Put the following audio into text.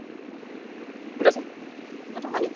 Vazi la Waridi linapendeza mno.